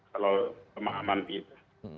kalau pemahaman kita